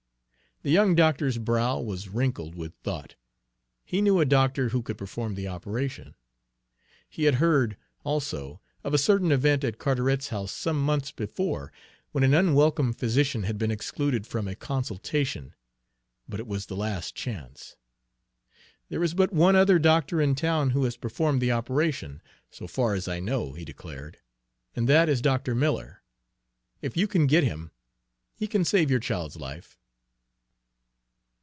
The young doctor's brow was wrinkled with thought. He knew a doctor who could perform the operation. He had heard, also, of a certain event at Carteret's house some months before, when an unwelcome physician had been excluded from a consultation, but it was the last chance. "There is but one other doctor in town who has performed the operation, so far as I know," he declared, "and that is Dr. Miller. If you can get him, he can save your child's life."